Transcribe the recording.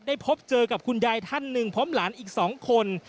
พบเจอกับคุณยายท่านหนึ่งพร้อมหลานอีก๒คน